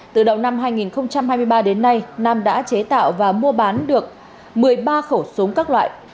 từ đầu năm hai nghìn hai mươi ba đến nay nam đã chế tạo và mua bán được một mươi ba khẩu súng các loại